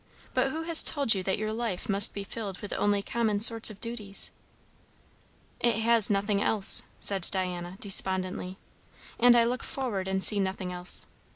But who has told you that your life must be filled with only common sorts of duties?" "It has nothing else," said Diana despondently. "And I look forward and see nothing else.